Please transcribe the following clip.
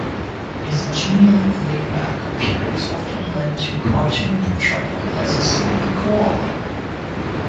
His genial, laid-back appearance often led to cartoon portrayal as a sleepy koala.